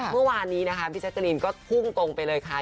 เมื่อวานนี้พี่ใจเตอรินก็พุ่งตรงไปเลยค่ะ